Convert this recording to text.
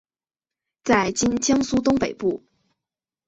在今江苏省东北部。